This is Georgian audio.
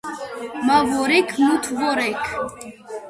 მა ვორექ მუთ ვორექ